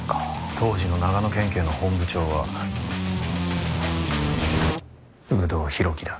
当時の長野県警の本部長は有働弘樹だ。